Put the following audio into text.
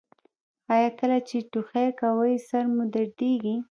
ایا کله چې ټوخی کوئ سر مو دردیږي؟